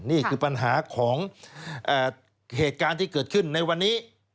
นี่คือปัญหาของเหตุการณ์ที่เกิดขึ้นในวันนี้